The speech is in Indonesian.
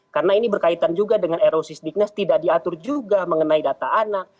karena ini berkaitan juga dengan erosis dikneks tidak diatur juga mengenai data anak